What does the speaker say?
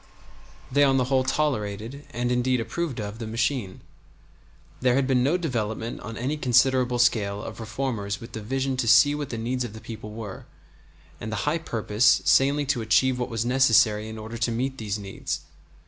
They on the whole tolerated, and indeed approved of, the machine; and there had been no development on any considerable scale of reformers with the vision to see what the needs of the people were, and the high purpose sanely to achieve what was necessary in order to meet these needs.